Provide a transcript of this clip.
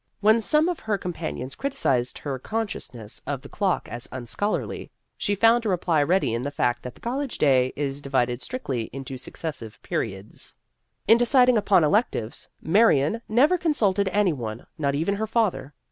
When some of her com panions criticised her consciousness of the clock as unscholarly, she found a reply ready in the fact that the college day is divided strictly into successive periods. In deciding upon electives, Marion never consulted any one, not even her father.